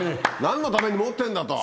何のために持ってんだと。